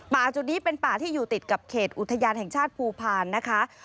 จุดนี้เป็นป่าที่อยู่ติดกับเขตอุทยานแห่งชาติภูพาลนะคะ